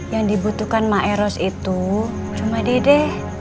yang dibutuhkan maeros itu cuma dede